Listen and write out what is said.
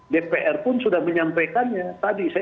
dpr pun sudah menyampaikannya tadi